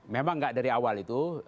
memang nggak dari awal itu